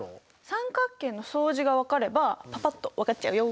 三角形の相似が分かればパパっと分かっちゃうよ。